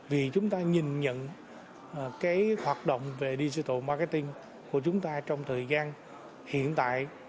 vì chúng ta nhìn nhận hoạt động về digital marketing của chúng ta trong thời gian hiện tại